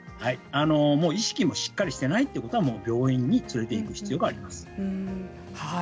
意識もしっかりしてないということは病院に連れていく必要があります。